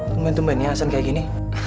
tumben tumbennya san kayak gini